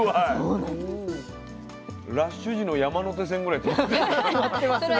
ラッシュ時の山手線ぐらいきますね。